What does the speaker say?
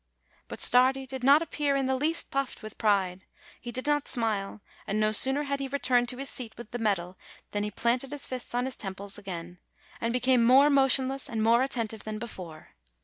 But Stardi did not appear in the least puffed up with pride he did not smile ; and no sooner had he returned to his seat, with the medal, than he planted his fists on his temples again, and became more motionless and more attentive than before.